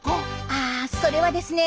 あそれはですね